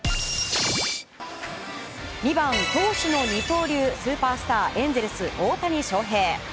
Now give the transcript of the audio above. ２番投手の二刀流スーパースターエンゼルス、大谷翔平。